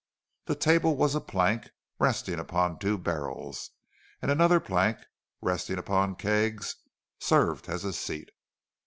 The table was a plank resting upon two barrels, and another plank, resting upon kegs, served as a seat.